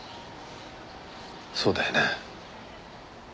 そうだよね？